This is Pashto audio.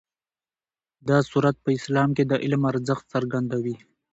دا سورت په اسلام کې د علم ارزښت څرګندوي.